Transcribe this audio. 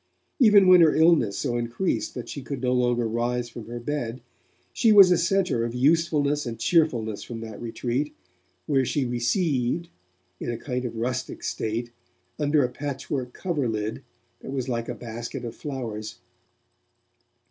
Even when her illness so increased that she could no longer rise from her bed, she was a centre of usefulness and cheerfulness from that retreat, where she 'received', in a kind of rustic state, under a patchwork coverlid that was like a basket of flowers.